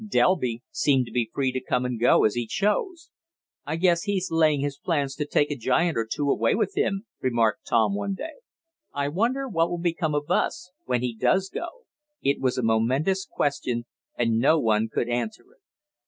Delby seemed to be free to come and go as he choose. "I guess he's laying his plans to take a giant or two away with him," remarked Tom one day. "I wonder what will become of us, when he does go?" It was a momentous question, and no one could answer it.